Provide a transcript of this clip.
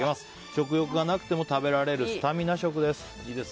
食欲がなくても食べられるスタミナ食です。